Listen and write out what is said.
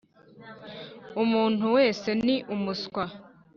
umuntu wese ni umuswa